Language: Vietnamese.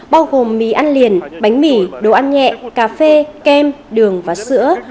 bao gồm mì ăn liền bánh mì đồ ăn nhẹ cà phê kem đường và sữa